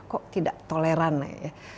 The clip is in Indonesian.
kok tidak toleran ya